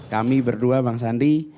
kami berdua bang sandi